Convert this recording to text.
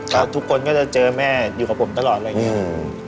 ก็ทุกคนก็จะเจอแม่อยู่กับผมตลอดอะไรอย่างนี้